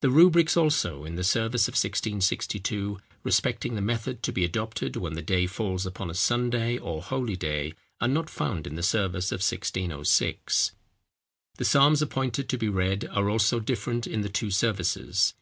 The rubrics, also, in the service of 1662, respecting the method to be adopted when the day falls upon a Sunday or holy day, are not found in the service of 1606. The psalms appointed to be read are also different in the two services.